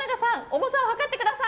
重さを量ってください！